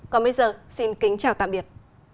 còn bây giờ xin kính chào tạm biệt